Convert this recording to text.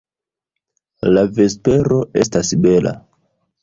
La vespero estas bela!